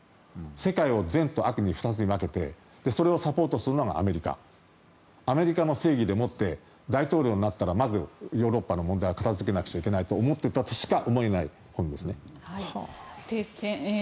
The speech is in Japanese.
世界を善と悪に２つに分けてそれをサポートするのがアメリカアメリカの正義でもって大統領になったらまずヨーロッパの問題を片付けなくちゃいけないと思っていたとしか思えない本ですね。